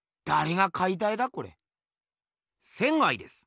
仙です。